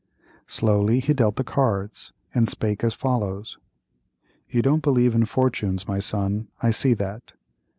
Slowly he dealt the cards, and spake as follows: "You don't believe in fortunes, my son—I see that.